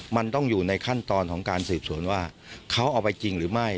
มันต้องอยู่ในขั้นตอนของการสืบสวนว่าเขาเอาไปจริงหรือไม่